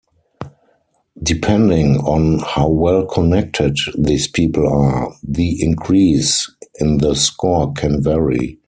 Depending on how well-connected these people are, the increase in the score can vary.